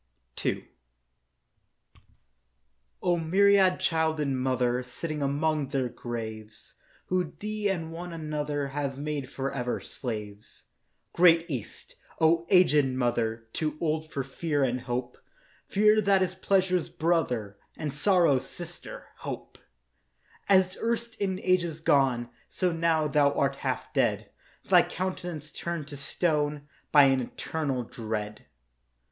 II O myriad childed Mother, Sitting among their graves Who thee and one another Have made for ever slaves, Great East; O aged Mother, Too old for Fear and Hope— Fear that is Pleasure's brother, And Sorrow's sister, Hope— As erst in ages gone, So now, thou art half dead, Thy countenance turned to stone By an eternal dread.